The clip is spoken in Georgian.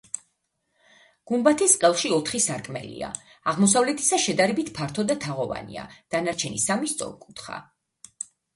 გუმბათის ყელში ოთხი სარკმელია: აღმოსავლეთისა შედარებით ფართო და თაღოვანია, დანარჩენი სამი სწორკუთხა.